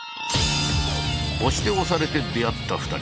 推して推されて出会った２人。